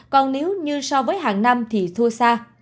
ba mươi còn nếu như so với hàng năm thì thua xa